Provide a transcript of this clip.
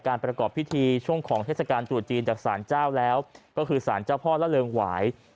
ประกอบพิธีช่วงของเทศกาลตรุษจีนจากศาลเจ้าแล้วก็คือสารเจ้าพ่อละเริงหวาย